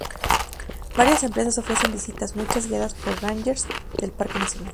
Varias empresas ofrecen visitas, muchas guiadas por rangers del parque nacional.